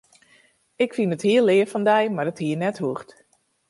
Ik fyn it hiel leaf fan dy, mar it hie net hoegd.